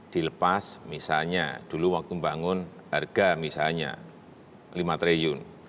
dilepas misalnya dulu waktu membangun harga misalnya rp lima triliun